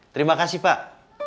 terima kasih pak